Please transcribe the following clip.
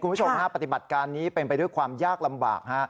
คุณผู้ชมฮะปฏิบัติการนี้เป็นไปด้วยความยากลำบากฮะ